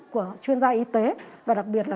của chuyên gia y tế và đặc biệt là